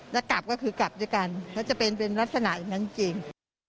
ถ้ากลับก็คือกลับด้วยกันก็จะเป็นเป็นลักษณะอย่างนั้นจริง